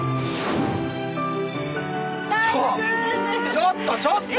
ちょっとちょっと！